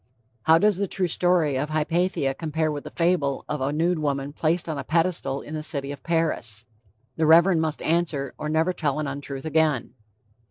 How does the true story of Hypatia compare with the fable of "a nude woman placed on a pedestal in the city of Paris?" The Reverend must answer, or never tell an untruth again.